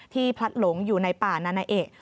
พลัดหลงอยู่ในป่านานาเอะ